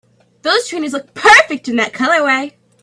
Those trainers look perfect in that colorway!